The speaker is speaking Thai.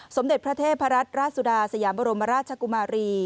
สมเด็จพระเทพรัตนราชสุดาสยามบรมราชกุมารี